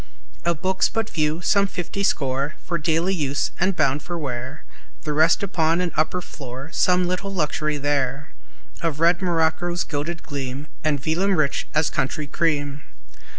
Of books but few, some fifty score For daily use, and bound for wear; The rest upon an upper floor; Some little luxury there Of red morocco's gilded gleam And vellum rich as country cream.